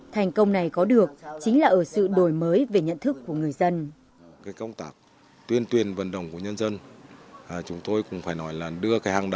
thành công này có được chính là ở sự đổi mới về nhận thức của người dân